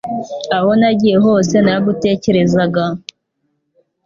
Aho nagiye hose naragutekerezaga